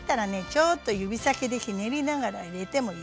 ちょっと指先でひねりながら入れてもいいわよ。